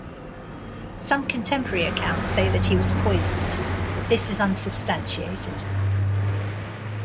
Some contemporary accounts say that he was poisoned, but this is unsubstantiated.